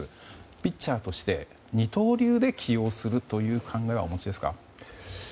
ピッチャーとして、二刀流で起用するという考えはお持ちですか？